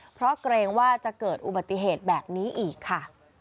เพราะเกรงว่าจะเกิดอุบัติเหตุแบบนี้อีกค่ะ